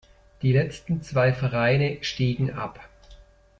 Die letzten zwei Vereine stiegen ab.